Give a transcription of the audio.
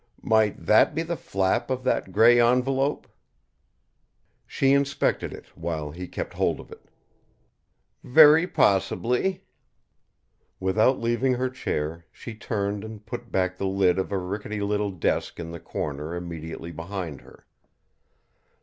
"Might that be the flap of that grey envelope?" She inspected it, while he kept hold of it. "Very possibly." Without leaving her chair, she turned and put back the lid of a rickety little desk in the corner immediately behind her.